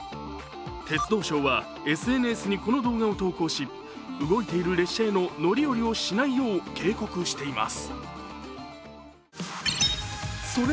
鉄道省はＳＮＳにこの動画を投稿し動いている列車への乗り降りをしないよう警告しています。